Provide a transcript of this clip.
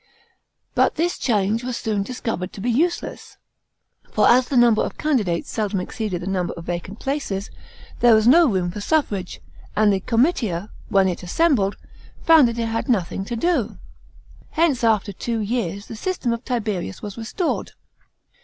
But this change was soon discovered to be useless, for as the number of candidates seldom exceeded the number of vacant places, there was no room for suffrage, and the comitia, when it assembled, found that it had nothing to do. Hence after two years, the system of Tiberius was restored.